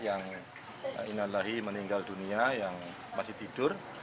yang inalahi meninggal dunia yang masih tidur